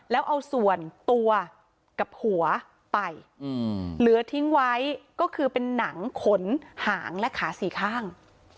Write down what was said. แล้วเอาส่วนตัวกับหัวไปเหลือทิ้งไว้ก็คือเป็นหนังขนหางและขาสี่ข้าง